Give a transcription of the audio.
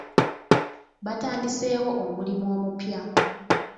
Batandiseewo omulimu omupya.